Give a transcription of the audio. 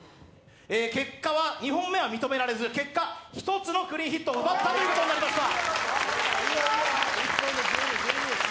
結果は２本目は認められず、結果１つのクリーンヒットを奪ったということになりました。